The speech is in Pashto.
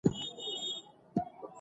او انسانان ډله ډله يو ځاى ته راټول شول